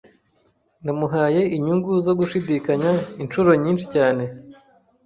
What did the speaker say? Namuhaye inyungu zo gushidikanya inshuro nyinshi cyane.